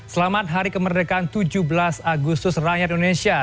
selamat hari kemerdekaan tujuh belas agustus rakyat indonesia